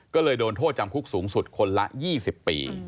ก็เลยโดนโทษจำคุกสูงสุดคนละ๒๐ปี